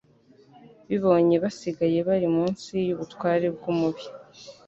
bibonye basigaye bari' munsi y'ubutware bw'umubi.